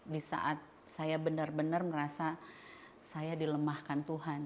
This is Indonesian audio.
di saat saya benar benar merasa saya dilemahkan tuhan